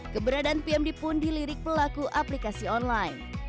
keberadaan pmd pun dilirik pelaku aplikasi online